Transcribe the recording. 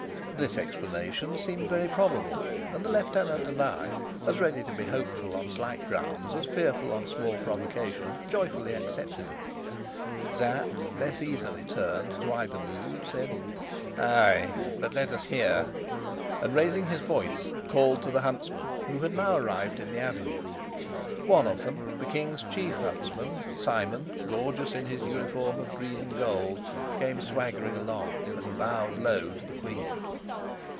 This explanation seemed very probable, and the lieutenant and I, as ready to be hopeful on slight grounds as fearful on small provocation, joyfully accepted it. Sapt, less easily turned to either mood, said, "Ay, but let us hear," and raising his voice, called to the huntsmen, who had now arrived in the avenue. One of them, the king's chief huntsman Simon, gorgeous in his uniform of green and gold, came swaggering along, and bowed low to the queen.